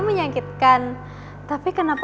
menyangkitkan tapi kenapa